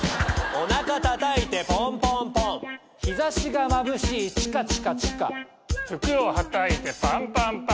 「おなかたたいてポンポンポン」「日差しがまぶしいチカチカチカ」「服をはたいてパンパンパン」